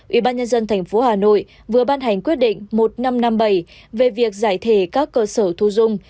ủy ban nhân dân thành phố hà nội vừa ban hành quyết định một nghìn năm trăm năm mươi bảy về việc giải thể các cơ sở thu dung